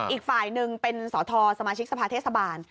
อีกฝ่ายหนึ่งเป็นสทสมาชิกสภาเทศบาล